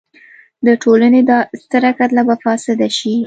د ټولنې دا ستره کتله به فاسده شي.